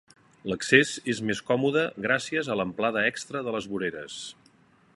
L'accés és més còmode gràcies a l'amplada extra de les voreres.